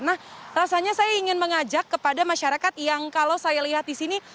nah rasanya saya ingin mengajak kepada masyarakat yang kalau saya lihat di sini